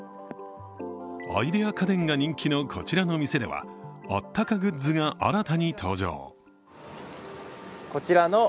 アイデア家電が人気のこちらの店ではあったかグッズが新たに登場。